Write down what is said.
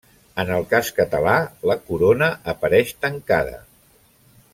En el cas català, la corona apareix tancada.